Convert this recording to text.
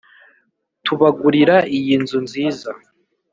tubagurira iyi nzu nziza